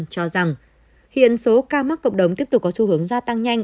các mắc cộng đồng tiếp tục có xu hướng gia tăng nhanh